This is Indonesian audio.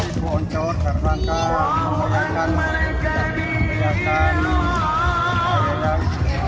ibu oncor terbangkan mengurangkan dan mengerjakan